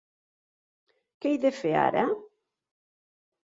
Què he de fer ara?